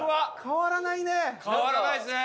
変わらないですね。